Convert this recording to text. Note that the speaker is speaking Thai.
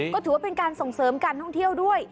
ก็ถือว่าเป็นการส่งเสริมการท่องเที่ยวด้วย